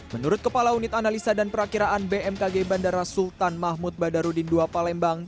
menurut kepala unit analisa dan perakiraan bmkg bandara sultan mahmud badarudin ii palembang